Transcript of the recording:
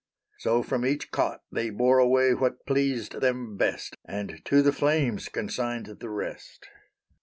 So from each cot They bore away what pleased them best, And to the flames consigned the rest.